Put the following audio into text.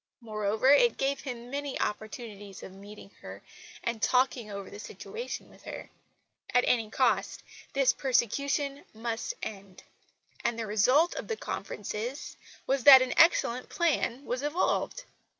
Moreover, it gave him many opportunities of meeting her, and talking over the situation with her. At any cost this persecution must end; and the result of the conferences was that an excellent plan was evolved.